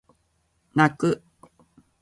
泣く